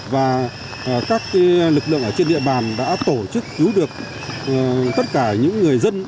và các lực lượng ở trên địa bàn đã tổ chức cứu được tất cả những người dân